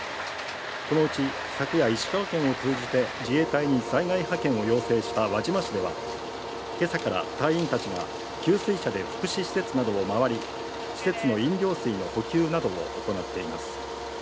このうち昨夜石川県を通じて自衛隊に災害派遣を要請した輪島市では、今朝から隊員たちが給水車で福祉施設などを回り、施設の飲料水の補給などを行っています。